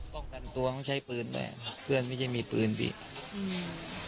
ป้องกันตัวต้องใช้ปืนด้วยเพื่อนไม่ใช่มีปืนสิอืม